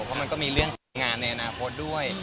เพราะมันก็มีเรื่องงานในอนาคตด้วย